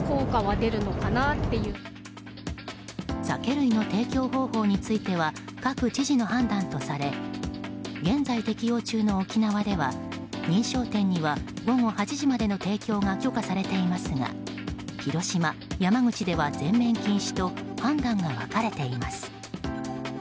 酒類の提供方法については各知事の判断とされ現在、適用中の沖縄では認証店には午後８時までの提供が許可されていますが広島、山口では全面禁止と判断が分かれています。